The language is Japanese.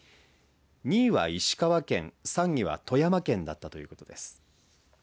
２位は石川県、３位は富山県だったということです。